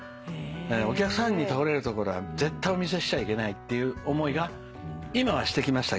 お客さんに倒れるところは絶対お見せしちゃいけないっていう思いが今はしてきましたけどね。